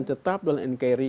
tetap dalam nkri